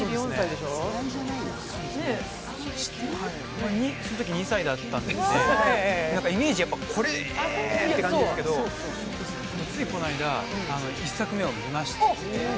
そのとき２歳だったので、イメージ、これ！って感じでしたけど、ついこの間、１作目を見まして。